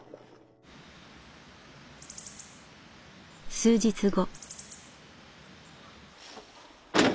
数日後。